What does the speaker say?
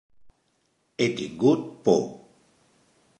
He tingut por.